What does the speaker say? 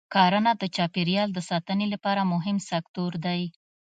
کرنه د چاپېریال د ساتنې لپاره مهم سکتور دی.